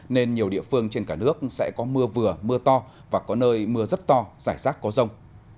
nên nhiều địa phương trên cả nước sẽ có mưa vừa mưa to và có nơi mưa rất to giải rác có rông